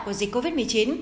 của dịch covid một mươi chín